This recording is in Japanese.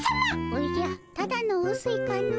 おじゃただのうすいかの。